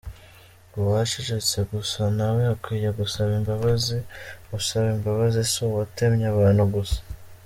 Uwacecetse gusa nawe akwiye gusaba imbabazi, usaba imbabazi si uwatemye abantu gusa.”